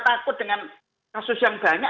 takut dengan kasus yang banyak